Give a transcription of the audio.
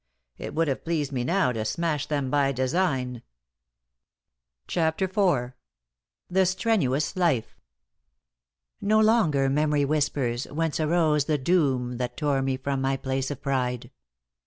It would have pleased me now to smash them by design. *CHAPTER IV.* *THE STRENUOUS LIFE.* No longer memory whispers whence arose The doom that tore me from my place of pride.